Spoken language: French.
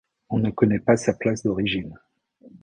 On ne connaît pas sa place d’origine.